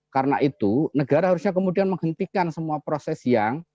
karena itu negara harusnya kemudian menghentikan semua proses yang